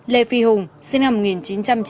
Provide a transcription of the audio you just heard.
lê phi hùng sinh năm một nghìn chín trăm chín mươi